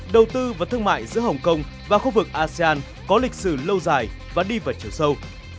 đầu tư và thương mại giữa hồng kông và khu vực asean có lịch sử lâu dài và đi vào chiều sâu